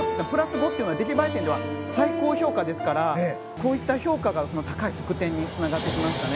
プラス５は出来栄え点では最高評価ですからこういった評価が高い得点につながってきます。